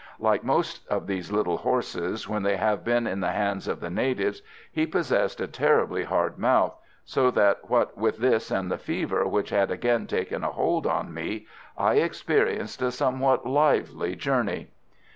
Like most of these little horses, when they have been in the hands of the natives, he possessed a terribly hard mouth, so that what with this and the fever which had again taken a hold on me, I experienced a somewhat lively journey.